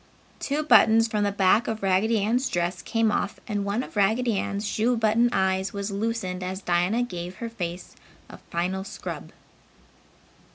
Two buttons from the back of Raggedy's dress came off and one of Raggedy Ann's shoe button eyes was loosened as Dinah gave her face a final scrub.